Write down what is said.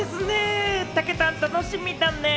たけたん、楽しみだね。